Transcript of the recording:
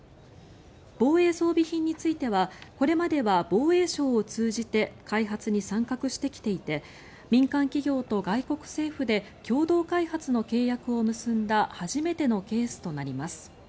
防衛装備品についてはこれまでは防衛省を通じて開発に参画してきていて民間企業と外国政府で共同開発の契約を結んだ初めてのケースとなります。